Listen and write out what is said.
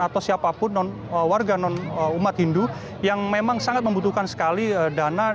atau siapapun warga non umat hindu yang memang sangat membutuhkan sekali dana